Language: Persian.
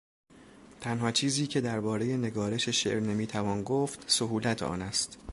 تنها چیزی که دربارهی نگارش شعر نمیتوان گفت سهولت آن است.